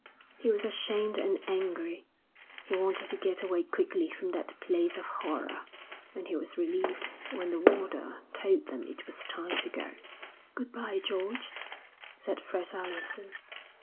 He was ashamed and angry. He wanted to get away quickly from that place of horror, and he was relieved when the warder told them it was time to go. 'Good bye, George,' said Fred Allerton.